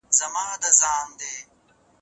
کله به حکومت جګړه په رسمي ډول وڅیړي؟